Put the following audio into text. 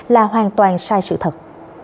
là hoàn toàn sai sự thật